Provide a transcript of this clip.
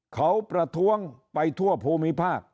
เขาประท้วงไปทั่วภูมิภาค